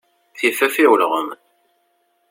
Tifaf i ulɣem.